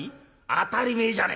「当たり前じゃねえかよ。